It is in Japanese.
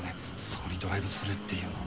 そこにドライブスルーっていうのは。